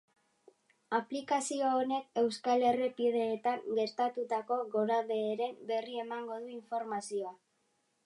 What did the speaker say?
Aplikazio honek euskal errepideetan gertatutako gorabeheren berri emango du informazioa.